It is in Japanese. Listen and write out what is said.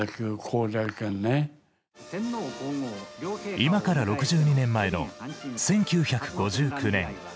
今から６０年前の１９５９年